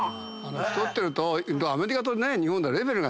太ってるとアメリカと日本ではレベルが違うから。